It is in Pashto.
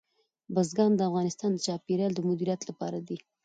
بزګان د افغانستان د چاپیریال د مدیریت لپاره دي.